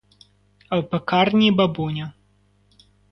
А в пекарні бабуня.